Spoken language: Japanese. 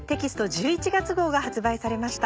１１月号が発売されました。